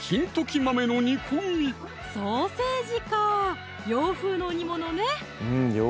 ソーセージか洋風の煮ものね